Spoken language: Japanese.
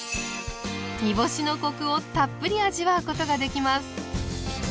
煮干しのコクをたっぷり味わうことができます。